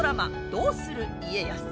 「どうする家康」。